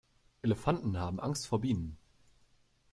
Elefanten haben Angst vor Bienen.